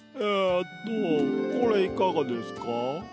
えっとこれいかがですか？